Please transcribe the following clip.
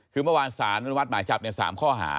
คือเมื่อวานสานวัดหมายจับ๓ข้อหา